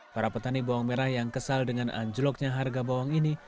para petani bawang merah yang kesal dengan anjloknya harga bawang ini